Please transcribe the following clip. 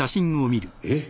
えっ？